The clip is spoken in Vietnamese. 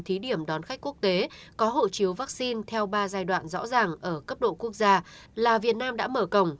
thí điểm đón khách quốc tế có hộ chiếu vaccine theo ba giai đoạn rõ ràng ở cấp độ quốc gia là việt nam đã mở cổng